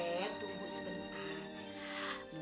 eh tunggu sebentar